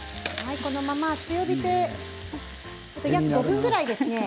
このまま強火で５分ぐらいですね。